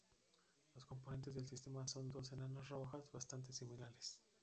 Las componentes del sistema son dos enanas rojas bastante similares.